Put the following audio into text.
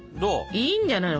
いいんじゃないの？